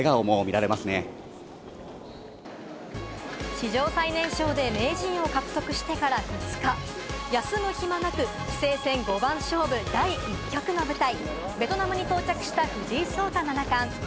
史上最年少で名人を獲得してから２日、休む暇なく、棋聖戦五番勝負第１局の舞台、ベトナムに到着した藤井聡太七冠。